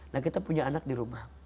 nah kita punya anak di rumah